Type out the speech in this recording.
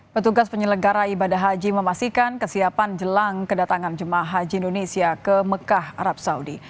petugas penyelenggara ibadah haji memastikan kesiapan jelang kedatangan jemaah haji indonesia ke mekah arab saudi